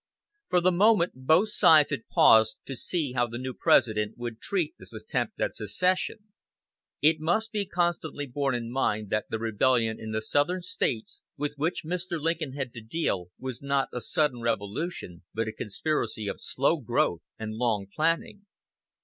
For the moment both sides had paused to see how the new President would treat this attempt at secession. It must be constantly borne in mind that the rebellion in the Southern States with which Mr. Lincoln had to deal was not a sudden revolution, but a conspiracy of slow growth and long planning.